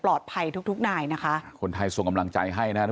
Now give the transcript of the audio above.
ปลอดภัยทุกนายนะคะคนไทยส่งกำลังใจให้นะครับทุก